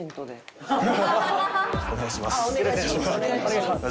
お願いします。